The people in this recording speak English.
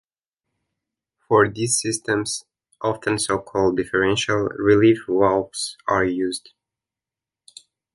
For these systems often so called "differential" relief valves are used.